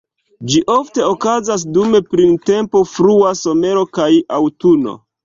Ĝi ofte okazas dum printempo, frua somero kaj aŭtuno.